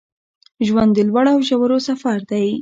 ژوند د لوړو او ژورو سفر دی